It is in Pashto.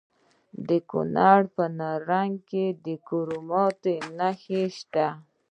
د کونړ په نرنګ کې د کرومایټ نښې شته.